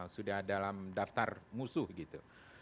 sudah dalam daftar musuh gitu